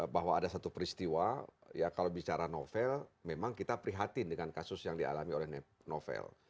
bahwa ada satu peristiwa ya kalau bicara novel memang kita prihatin dengan kasus yang dialami oleh novel